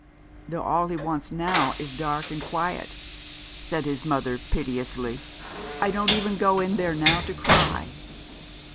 "Though all he wants now is dark and quiet," said his mother piteously. "I don't even go in there now to cry."